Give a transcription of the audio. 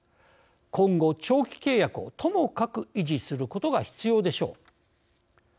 今後、長期契約をともかく維持することが必要でしょう。